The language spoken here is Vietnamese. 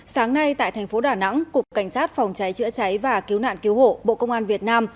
sáng nay tại thành phố đà nẵng cục cảnh sát phòng cháy chữa cháy và cứu nạn cứu hộ bộ công an việt nam